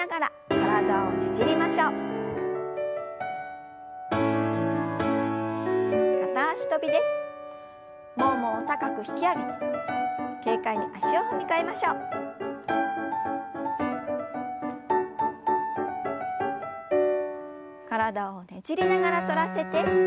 体をねじりながら反らせて斜め下へ。